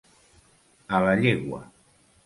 A la llegua.